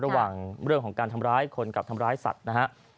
ระหว่างเรื่องของการทำร้ายคนกับทำร้ายสัตว์นะฮะ